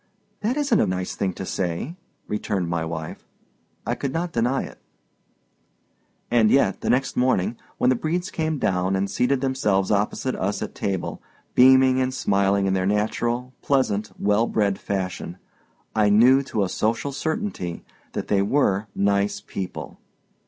"That isn't a nice thing to say," returned my wife. I could not deny it. And yet, the next morning, when the Bredes came down and seated themselves opposite us at table, beaming and smiling in their natural, pleasant, well bred fashion, I knew, to a social certainty, that they were "nice" people.